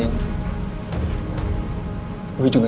waktu itu gue ada disana niel